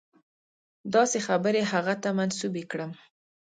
داسې خبرې هغه ته منسوبې کړم.